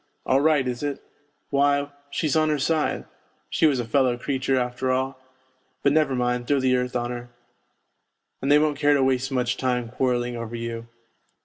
' All right, is it ? Why, she's on her side ! She was a fellow creature, after all ! But, never mind, throw the earth on her.' And they won't care to waste much time quarrelling over you.